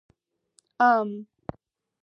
🥭 ام